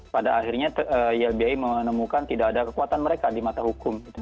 pada akhirnya ylbi menemukan tidak ada kekuatan mereka di mata hukum